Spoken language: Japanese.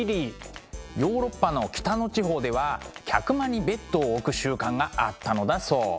ヨーロッパの北の地方では客間にベッドを置く習慣があったのだそう。